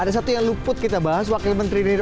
ada satu yang luput kita bahas wakil menteri ini